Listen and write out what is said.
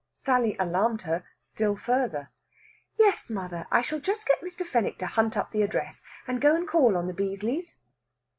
Sally alarmed her still further. "Yes, mother. I shall just get Mr. Fenwick to hunt up the address, and go and call on the Beazleys."